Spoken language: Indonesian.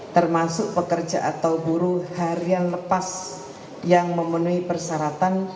termasuk pekerja atau buruh harian lepas yang memenuhi persyaratan